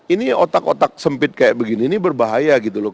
ini otak otak sempit kayak begini ini berbahaya gitu loh